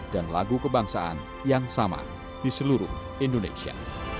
dan lagu kebangsaan yang sama di seluruh indonesia